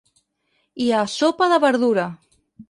Hi ha sopa de verdura.